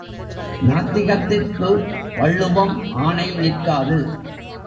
நாத்திகத்திற்கு வள்ளுவம் ஆணை நிற்காது.